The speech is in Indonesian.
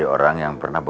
tidak ada yang tahu